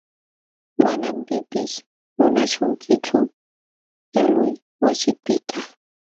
Manam pipis munaśhunkichu yalquy wasipiqta.